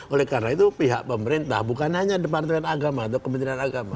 oleh karena itu pihak pemerintah bukan hanya departemen agama atau kementerian agama